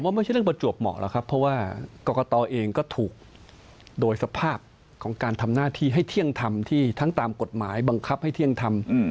ไม่ใช่เรื่องประจวบเหมาะหรอกครับเพราะว่ากรกตเองก็ถูกโดยสภาพของการทำหน้าที่ให้เที่ยงทำที่ทั้งตามกฎหมายบังคับให้เที่ยงทำ